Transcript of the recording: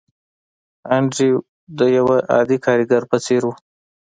انډريو کارنګي د يوه عادي کارګر په څېر و.